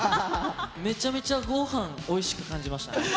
めちゃめちゃごはんおいしく感じましたね。